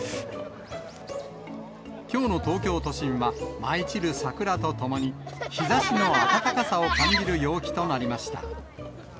きょうの東京都心は、舞い散る桜とともに、日ざしの暖かさを感じる陽気となりました。